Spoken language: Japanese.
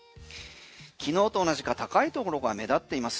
昨日と同じか高いところが目立っています。